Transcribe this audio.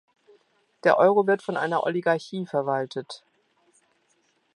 Der Euro wird von einer Oligarchie verwaltet.